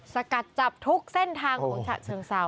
สกัดจับทุกเส้นทางของฉะเชิงเซา